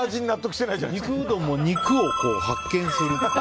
肉うどんも肉を発見するっていう。